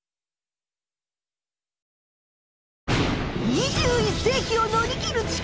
２１世きを乗り切る力。